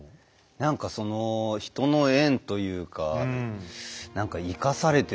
何かその人の縁というか生かされてる感じといいますか。